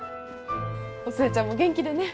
お寿恵ちゃんも元気でね。